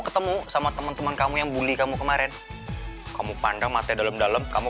ketemu sama teman teman kamu yang buli kamu kemarin kamu pandang matanya dalam dalam kamu